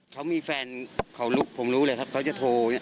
เขามีแฟนของลูกผมรู้เลยครับเขาจะโทร